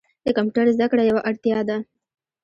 د کمپیوټر زده کړه یوه اړتیا ده.